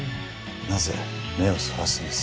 なぜ目をそらすんです？